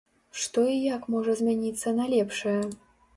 Што і як можа змяніцца на лепшае?